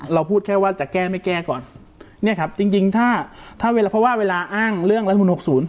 เราพูดแค่ว่าจะแก้ไม่แก้ก่อนเนี่ยครับจริงจริงถ้าถ้าเวลาเพราะว่าเวลาอ้างเรื่องรัฐมนตหกศูนย์